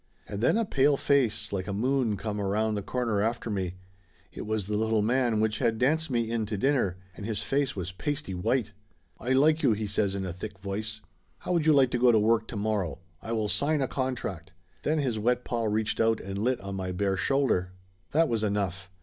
And then a pale face like a moon come around the corner after me. It was the little man which had danced me in to dinner, and his face was pasty white. "I like you !" he says in a thick voice. "How would you like to go to work to morrow ? I will sign a con tract." Then his wet paw reached out and lit on my bare shoulder. That was enough.